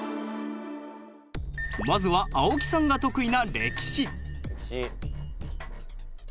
まずは青木さんが得意な歴史。